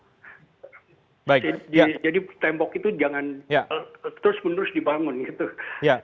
jadi tembok itu jangan terus menerus dibangun gitu